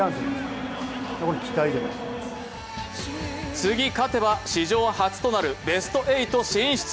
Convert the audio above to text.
次勝てば史上初となるベスト８進出。